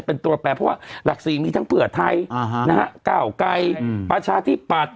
เป็นตัวแปลเพราะว่าหลักสีมีทั้งเผือไทยนะฮะเก่าใกล้มัอปัชชาที่ปัด